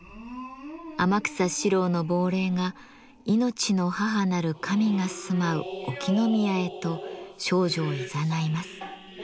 天草四郎の亡霊がいのちの母なる神が住まう沖宮へと少女をいざないます。